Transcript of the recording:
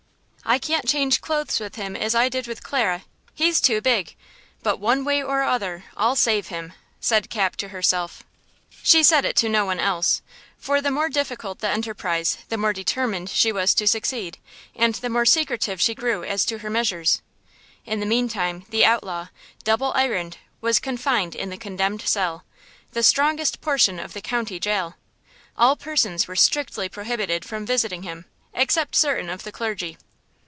I can't change clothes with him as I did with Clara; he's too big, but one way or other I'll save him," said Cap, to herself. She said it to no one else, for the more difficult the enterprise the more determined she was to succeed, and the more secretive she grew as to her measures. In the mean time the outlaw, double ironed, was confined in the condemned cell, the strongest portion of the county jail. All persons were strictly prohibited from visiting him, except certain of the clergy.